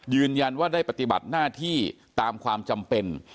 ยืนยันว่าได้ปฏิบัติหน้าที่ตามความจำเป็น